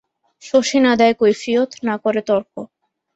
শশী না দেয় কৈফিয়ত, না করে তর্ক।